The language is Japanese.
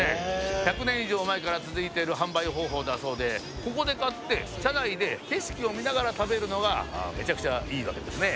１００年以上前から続いている販売方法だそうでここで買って車内で景色を見ながら食べるのがめちゃくちゃいいわけですね。